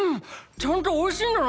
ちゃんとおいしいんだな！